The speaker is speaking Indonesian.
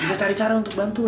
bisa cari cara untuk bantuin